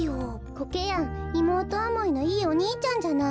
コケヤンいもうとおもいのいいお兄ちゃんじゃない。